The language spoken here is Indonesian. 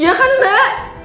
ya kan mbak